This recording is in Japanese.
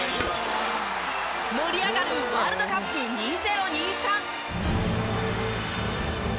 盛り上がるワールドカップ２０２３。